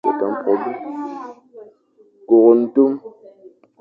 Kur ntum,